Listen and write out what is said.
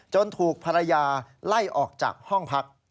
ถูกภรรยาไล่ออกจากห้องพัก